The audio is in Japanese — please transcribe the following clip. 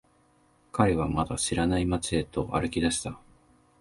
彼はまだ知らない街へと歩き出した。